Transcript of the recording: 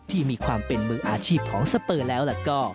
ที่มีความเป็นมืออาชีพของสเปอร์แล้วก็